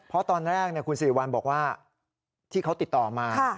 เพราะตอนแรกคุณสิริวัลบอกว่าที่เขาติดต่อมา